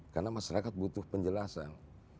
karena masyarakat butuh penjelasan